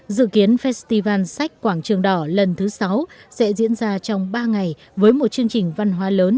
dự kiến festival sách quảng trường đỏ lần thứ sáu sẽ diễn ra trong ba ngày với một chương trình văn hóa lớn